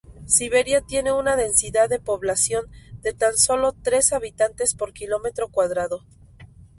Siberia tiene una densidad de población de tan solo tres habitantes por kilómetro cuadrado.